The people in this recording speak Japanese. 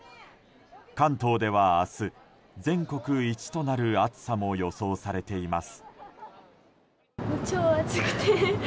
関東では明日全国一となる暑さも予想されています。